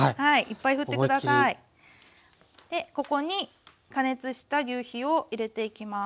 ここに加熱したぎゅうひを入れていきます。